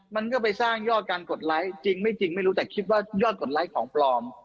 มันก็ไปสร้างยอดการกดไลค์จริงไม่จริงไม่รู้แต่คิดว่ายอดกดไลค์ของปลอม